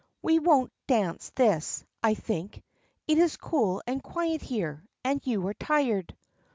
"We won't dance this, I think. It is cool and quiet here, and you are tired."